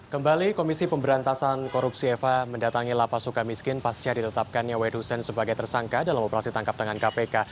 kembali komisi pemberantasan korupsi eva mendatangi lapas sukamiskin pasca ditetapkan yawai dusen sebagai tersangka dalam operasi tangkap tangan kpk